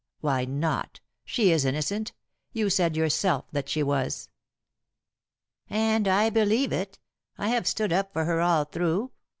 "Why not? She is innocent. You said yourself that she was." "And I believe it. I have stood up for her all through.